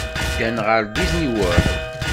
Ddan ɣer Disney World.